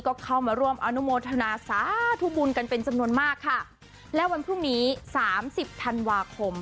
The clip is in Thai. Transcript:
ก็เข้ามาร่วมอนุโมทนาสาธุบุญกันเป็นจำนวนมากค่ะและวันพรุ่งนี้สามสิบธันวาคม